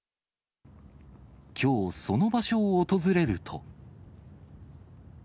きょう、その場所を訪れると。